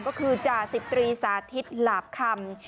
ก็คือจ่าสิบตรีสาธิตหลาบคำ